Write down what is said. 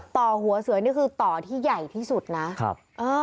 ต่อหัวเสือนี่คือต่อที่ใหญ่ที่สุดนะครับ